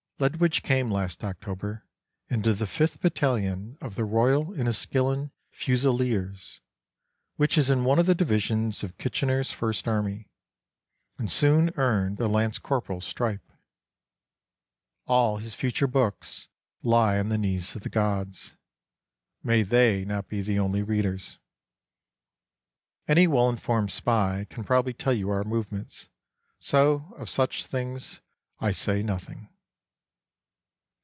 Ledwidge came last October into the 5th Battalion of the Royal Inniskilling Fusiliers, which is in one of the divisions of Kitchener's first army, and soon earned a lance corporal's stripe. All his future books lie on the knees of the gods. May They not be the only readers. Any well informed spy can probably tell you our movements, so of such things I say noth ing.